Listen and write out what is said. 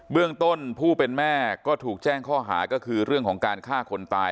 เรื่องต้นผู้เป็นแม่ก็ถูกแจ้งข้อหาก็คือเรื่องของการฆ่าคนตาย